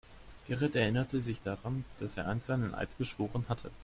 Gerrit erinnerte sich daran, dass er einst einen Eid geschworen hatte.